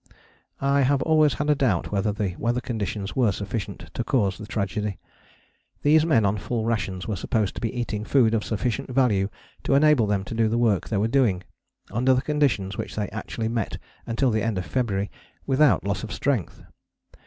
I have always had a doubt whether the weather conditions were sufficient to cause the tragedy. These men on full rations were supposed to be eating food of sufficient value to enable them to do the work they were doing, under the conditions which they actually met until the end of February, without loss of strength.